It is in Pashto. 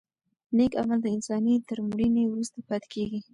نېک عمل د انسان تر مړینې وروسته پاتې کېږي.